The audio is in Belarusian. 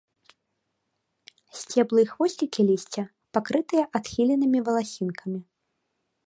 Сцеблы і хвосцікі лісця пакрытыя адхіленымі валасінкамі.